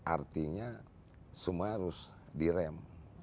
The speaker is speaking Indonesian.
artinya semua harus direm